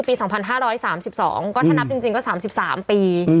ปี๒๕๓๒มีมีปี๓๓ปี